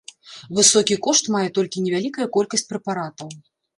Высокі кошт мае толькі невялікая колькасць прэпаратаў.